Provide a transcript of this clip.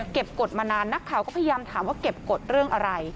กฎมานานนักข่าวก็พยายามถามว่าเก็บกฎเรื่องอะไร